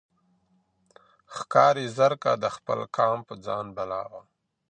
ښکاري زرکه د خپل قام په ځان بلا وه